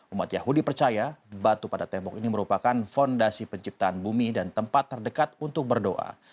umat yahudi percaya batu pada tembok ini merupakan fondasi penciptaan bumi dan tempat terdekat untuk berdoa